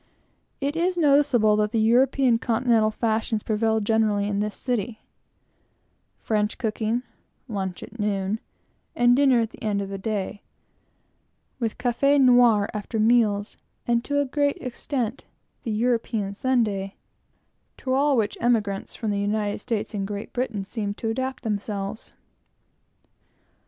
It is noticeable that European Continental fashions prevail generally in this city, French cooking, lunch at noon, and dinner at the end of the day, with café noir after meals, and to a great extent the European Sunday, to all which emigrants from the United States and Great Britain seem to adapt themselves.